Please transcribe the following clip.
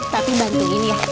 tapi bantu ini ya